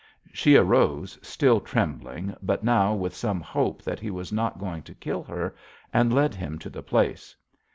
"She arose, still trembling, but now with some hope that he was not going to kill her, and led him to the place.